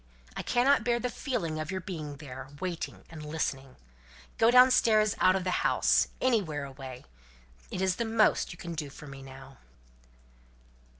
I cannot bear the feeling of your being there waiting and listening. Go downstairs out of the house anywhere away. It is the most you can do for me now."